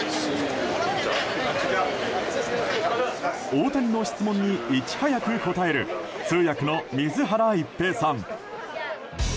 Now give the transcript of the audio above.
大谷の質問にいち早く答える通訳の水原一平さん。